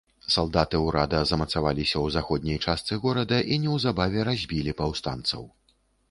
Салдаты ўрада замацаваліся ў заходняй частцы горада і неўзабаве разбілі паўстанцаў.